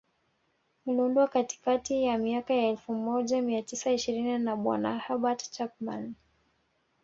uliundwa katikati ya miaka ya elfu moja mia tisa ishirini na bwana Herbert Chapman